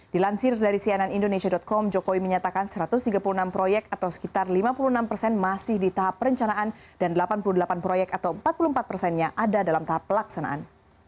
dilansir dari cnn indonesia com jokowi menyatakan satu ratus tiga puluh enam proyek atau sekitar lima puluh enam persen masih di tahap perencanaan dan delapan puluh delapan proyek atau empat puluh empat persennya ada dalam tahap pelaksanaan